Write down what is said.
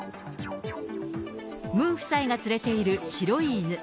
ムン夫妻が連れている白い犬。